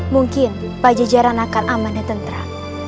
mungkin pajajaran akan aman dan tentra